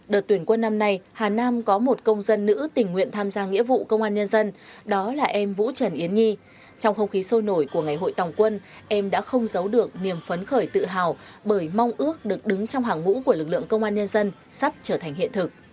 đợt tuyển quân năm nay hà nam có một công dân nữ tình nguyện tham gia nghĩa vụ công an nhân dân đó là em vũ trần yến nhi trong không khí sôi nổi của ngày hội tòng quân em đã không giấu được niềm phấn khởi tự hào bởi mong ước được đứng trong hàng ngũ của lực lượng công an nhân dân sắp trở thành hiện thực